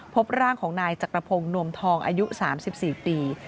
พบร่างของนายจักรพงศ์นวมทองอายุ๓๔ปี